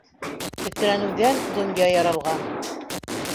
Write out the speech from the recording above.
Тетрәнеүҙән донъя яралған.